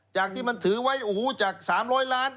จากที่มันถือไว้โอ้โหจาก๓๐๐ล้าน